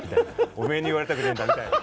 おめえに言われたくないんだみたいな。